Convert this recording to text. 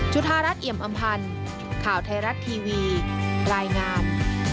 ธารัฐเอี่ยมอำพันธ์ข่าวไทยรัฐทีวีรายงาน